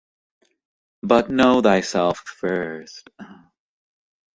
But know thyself first.